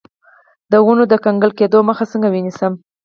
د ونو د کنګل کیدو مخه څنګه ونیسم؟